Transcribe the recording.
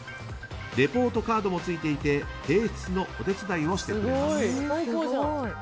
レポートカードもついていて提出のお手伝いをしてくれます。